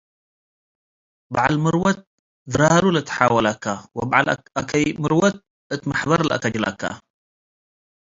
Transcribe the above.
በዐል ምርወት ድራሩ ልትሓወለከ ወበዐል አከይ-ምርወት እት መሕበር ለአከጅለከ።